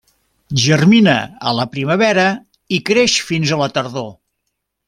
Germina a la primavera i creix fins a la tardor.